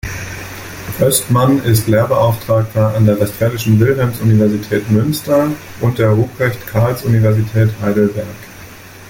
Wöstmann ist Lehrbeauftragter an der Westfälischen Wilhelms-Universität, Münster und der Ruprecht-Karls-Universität Heidelberg.